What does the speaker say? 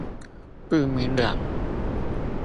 不明瞭